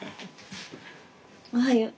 おはよう。